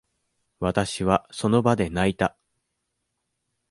私は、その場で泣いた。